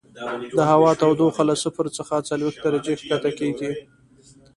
د هوا تودوخه له صفر څخه څلوېښت درجې ښکته کیږي